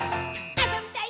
あそびたい！」